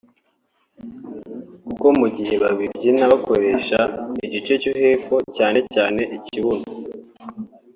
kuko mu gihe babibyina bakoresha igice cyo hepfo cyane cyane ikibuno